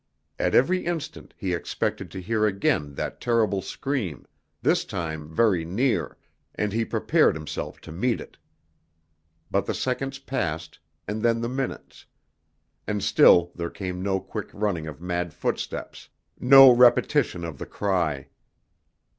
At every instant he expected to hear again that terrible scream, this time very near, and he prepared himself to meet it. But the seconds passed, and then the minutes, and still there came no quick running of mad footsteps, no repetition of the cry.